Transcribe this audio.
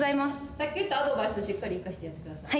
さっき言ったアドバイスしっかり生かしてやってください